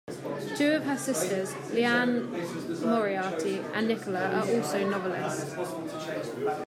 Two of her sisters, Liane Moriarty and Nicola, are also novelists.